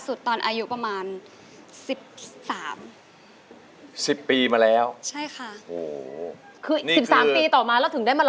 หยุดสุขทุนเหมือนกับลูกน้ำส้ม